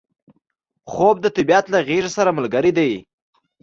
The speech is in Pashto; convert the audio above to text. خوب د طبیعت له غیږې سره ملګری دی